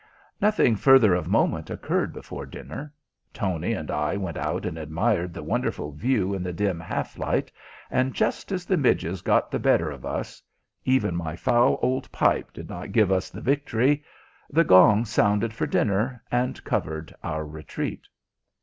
Nothing further of moment occurred before dinner. Tony and I went out and admired the wonderful view in the dim half light, and just as the midges got the better of us even my foul old pipe did not give us the victory the gong sounded for dinner and covered our retreat.